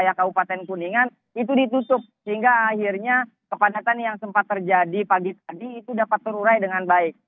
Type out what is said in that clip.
di wilayah kabupaten kuningan itu ditutup sehingga akhirnya kepadatan yang sempat terjadi pagi tadi itu dapat terurai dengan baik